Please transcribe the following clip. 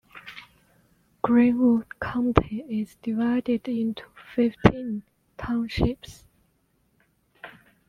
Greenwood County is divided into fifteen townships.